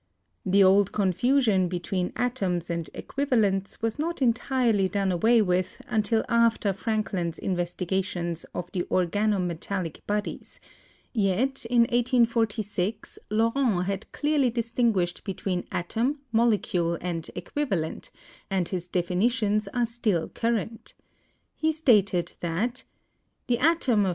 The old confusion between atoms and equivalents was not entirely done away with until after Frankland's in vestigations of the organo metallic bodies, yet in 1846 Laurent had clearly distinguished between atom, molecule and equivalent, and his definitions are still current. He stated that "the atom of M.